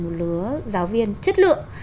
một lứa giáo viên chất lượng